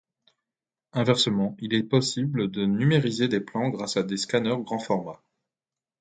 Inversement, il est possible de numériser des plans grâce à des scanners grand-format.